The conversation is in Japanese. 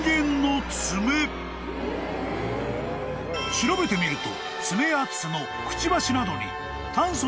［調べてみると］